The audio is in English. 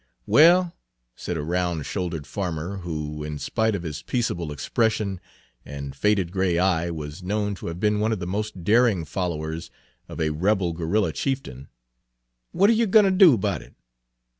"Well," said a round shouldered farmer, who, in spite of his peaceable expression and faded gray eye, was known to have been one of the most daring followers of a rebel guerrilla chieftain, "what air yer gwine ter do about it?